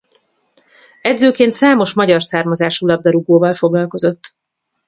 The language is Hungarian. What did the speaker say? Edzőként számos magyar származású labdarúgóval foglalkozott.